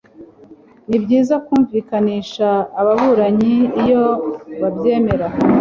ni byiza kumvikanisha ababuranyi iyo babyemera